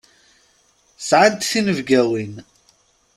Sɛant tinebgawin.